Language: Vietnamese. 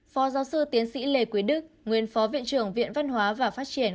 phó giáo sư tiến sĩ lê quý đức nguyên phó viện trưởng viện văn hóa và phát triển